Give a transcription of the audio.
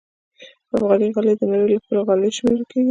افغاني غالۍ د نړۍ له ښکلو غالیو شمېرل کېږي.